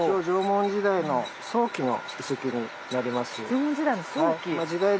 縄文時代の早期？